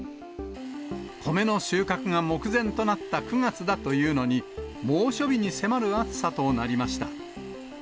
米の収穫が目前となった９月だというのに、猛暑日に迫る暑さとなりました。